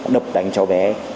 đập đánh cho bé